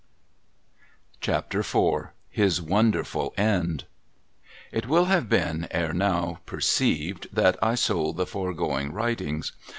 MR. CHRISTOPHER 315 CHAPTER IV HIS WONDERFUL END It will have been, ere now, perceived that I sold the foregoing writings.